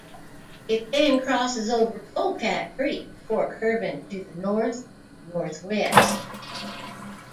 It then crosses over Polecat Creek before curving to the north-northwest.